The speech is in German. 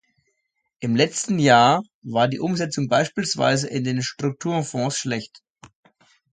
Im letzten Jahr war die Umsetzung beispielsweise in den Strukturfonds schlecht.